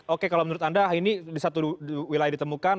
oke kalau menurut anda ini di satu wilayah ditemukan